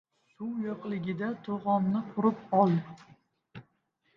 • Suv yo‘qligida to‘g‘onni qurib ol.